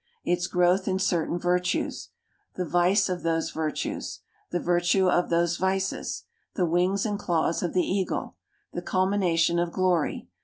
Its growth in certain virtues. The vice of those virtues. The virtue of those vices. The wings and claws of tlie eagle. The culmination of glory.